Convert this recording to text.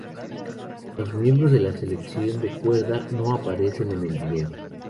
Los miembros de la sección de cuerda no aparecen en el video.